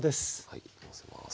はいのせます。